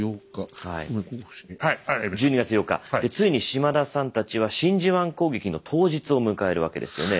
ついに島田さんたちは真珠湾攻撃の当日を迎えるわけですよね。